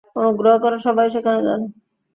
অনুগ্রহ করে সবাই সেখানে যান।